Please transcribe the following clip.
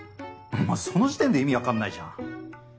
まずその時点で意味分かんないじゃん。